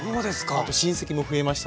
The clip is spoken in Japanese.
あと親戚も増えましたし。